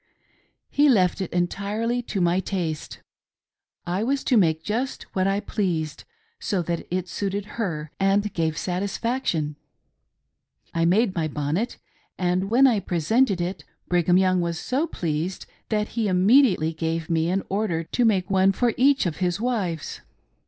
He left it entirely to my taste ; I was to make just what I pleased, so that it suited her and gave satisfaction. I made my bonnet ; and when I presented it, Brigham Young was so pleased that he immediately gave me an order to make one for each of his wives.